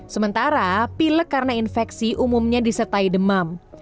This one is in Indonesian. sementara pilek karena infeksi umumnya disertai demam